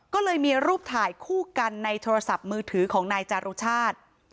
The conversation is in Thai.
ก็เลยมีรูปถ่ายคู่กันในโทรศัพท์มือถือของนายจารุชาติ